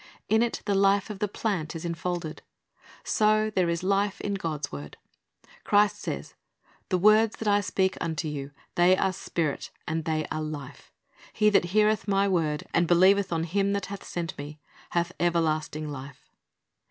In it the life of the plant is enfolded. So there is life in God's word. Christ says, "The words that I speak unto you, they are Spirit, and they are life." "He that heareth My word, and believeth on Him that sent Me, hath everlasting life."